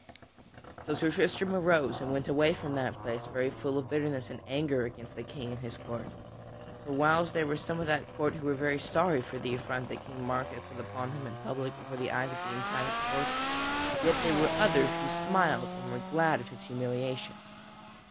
So Sir Tristram arose and went away from that place very full of bitterness and anger against the King and his court. For whiles there were some of that court who were sorry for the affront that King Mark had put upon him in public before the eyes of the entire court, yet there were others who smiled and were glad of his humiliation.